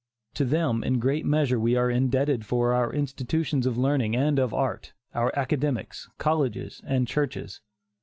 To them, in a great measure, are we indebted for our institutions of learning and of art, our academies, colleges and churches.